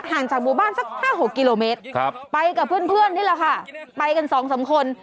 จากหมู่บ้านสัก๕๖กิโลเมตรไปกับเพื่อนนี่แหละค่ะไปกันสองสามคน